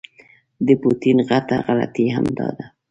د پوټین غټه غلطي همدا ده.